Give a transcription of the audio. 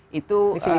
di filipina ada juga